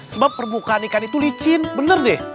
sebab permukaan ikan itu licin benar deh